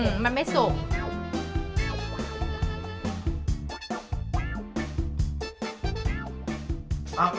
มันไม่สุก